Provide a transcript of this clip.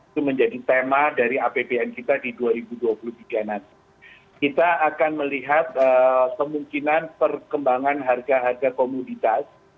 karena itu kita akan melihat kemungkinan perkembangan harga harga komunitas